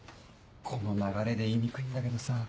この流れで言いにくいんだけどさ